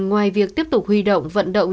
ngoài việc tiếp tục huy động vận động